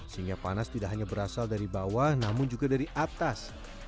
sehingga panas tidak hanya berasal dari bawah namun juga dari atas